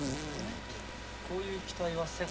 俺こういう期待はせん。